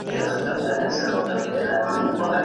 علمي مجله بې هدفه نه تعقیبیږي.